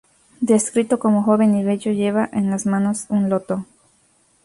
Descrito como joven y bello, lleva en las manos un loto.